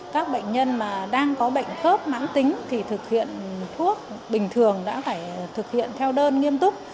các bệnh nhân mà đang có bệnh khớp mãn tính thì thực hiện thuốc bình thường đã phải thực hiện theo đơn nghiêm túc